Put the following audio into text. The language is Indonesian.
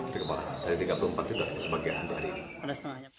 sebagian dari tiga puluh empat tidak sebagian untuk hari ini